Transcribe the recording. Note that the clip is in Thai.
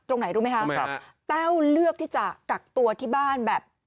ตรงไหนรู้ไหมคะแต้วเลือกที่จะกักตัวที่บ้านแบบ